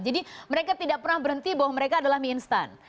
jadi mereka tidak pernah berhenti bahwa mereka adalah mie instan